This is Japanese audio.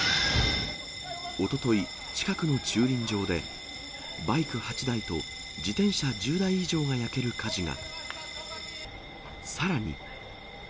おととい、近くの駐輪場で、バイク８台と自転車１０台以上が焼ける火事が。